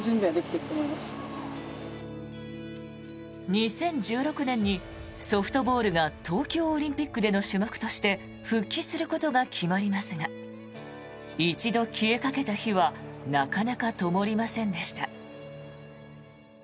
２０１６年にソフトボールが東京オリンピックでの種目として復帰することが決まりますが一度消えかけた火はなかなかともりませんでした。